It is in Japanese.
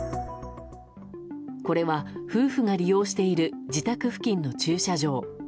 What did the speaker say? これは夫婦が利用している自宅付近の駐車場。